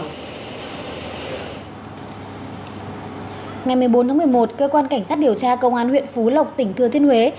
ngày một mươi bốn tháng một mươi một cơ quan cảnh sát điều tra công an huyện phú lộc tỉnh thừa thiên huế